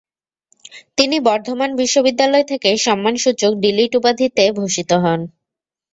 তিনি বর্ধমান বিশ্ববিদ্যালয় থেকে সম্মানসূচক ডি.লিট. উপাধিতে ভূষিত হন।